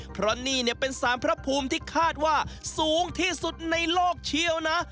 เพราะนี่เป็นสารพระภูมิที่คาดว่าสูงที่สุดในโลกเชียวนะ